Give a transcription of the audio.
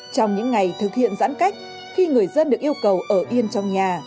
trong những ngày thực hiện giãn cách khi người dân được yêu cầu ở yên trong nhà